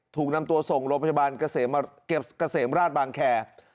ถูกนำตัวส่งโรงพยาบาลเกษมเกษมราชบางแคร์